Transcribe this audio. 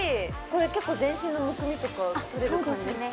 これ結構全身のむくみとか取れる感じですか？